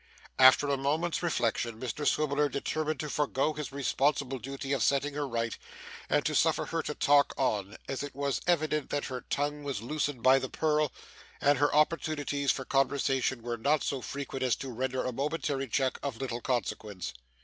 After a moment's reflection, Mr Swiveller determined to forego his responsible duty of setting her right, and to suffer her to talk on; as it was evident that her tongue was loosened by the purl, and her opportunities for conversation were not so frequent as to render a momentary check of little consequence.